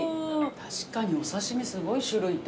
確かにお刺身すごい種類と。